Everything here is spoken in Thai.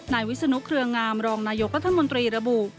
วิศนุเครืองามรองนายกรัฐมนตรีระบุ